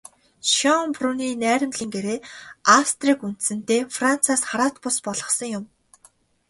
Шёнбрунны найрамдлын гэрээ Австрийг үндсэндээ Францаас хараат улс болгосон юм.